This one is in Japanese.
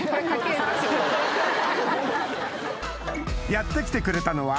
やって来てくれたのは